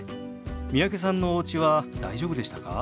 三宅さんのおうちは大丈夫でしたか？